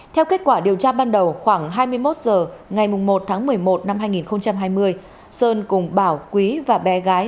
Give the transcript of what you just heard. theo kết quả điều tra ban đầu khoảng hai mươi một h ngày một tháng một mươi một năm hai nghìn hai mươi sơn cùng bảo quý và bé gái